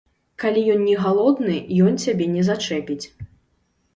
Калі ён не галодны, ён цябе не зачэпіць.